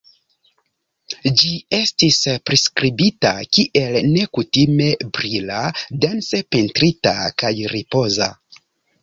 Ĝi estis priskribita kiel "nekutime brila, dense pentrita, kaj ripoza".